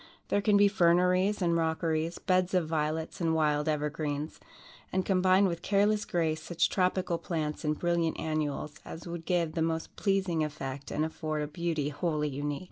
There can be ferneries and rockeries, beds of violets and wild evergreens, and combined with careless grace, such tropical plants and brilliant annuals as would give the most pleasing effect and afford a beauty wholly unique.